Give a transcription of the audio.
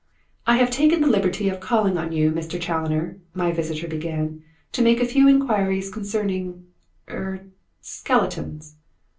"'I have taken the liberty of calling on you, Mr. Challoner,' my visitor began, 'to make a few enquiries concerning er skeletons.'